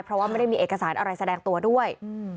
เพราะว่าไม่ได้มีเอกสารอะไรแสดงตัวด้วย